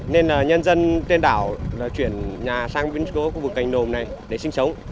nên là nhân dân trên đảo chuyển nhà sang biên phòng khu vực cành đồn này để sinh sống